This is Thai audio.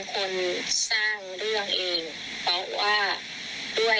ตอนนี้หนูต้องกลับขอโทษสังคมกลับขอโทษทุกคน